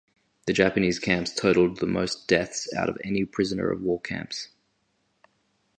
The Japanese camps totalled the most deaths out of any prisoner of war camps.